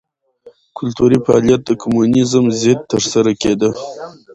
کلتوري فعالیت د کمونېزم ضد ترسره کېده.